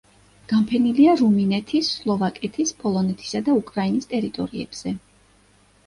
განფენილია რუმინეთის, სლოვაკეთის, პოლონეთისა და უკრაინის ტერიტორიებზე.